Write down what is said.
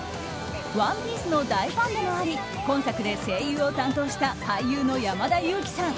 「ＯＮＥＰＩＥＣＥ」の大ファンでもあり今作で声優を担当した俳優の山田裕貴さん